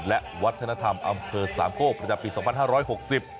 และวัฒนธรรมอำเภอสามโคกประจำปี๒๕๖๐